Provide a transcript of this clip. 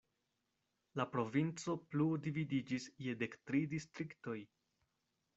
La provinco plu dividiĝis je dek tri distriktoj.